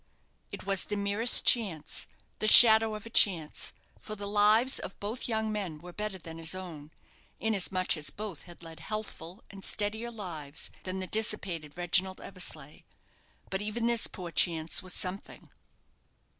It was the merest chance, the shadow of a chance, for the lives of both young men were better than his own, inasmuch as both had led healthful and steadier lives than the dissipated Reginald Eversleigh. But even this poor chance was something.